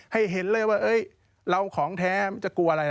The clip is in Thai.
เห็นเลยว่าเราของแท้มันจะกลัวอะไร